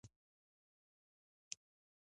د ادرار د سوزش لپاره د جوارو ویښتان جوش کړئ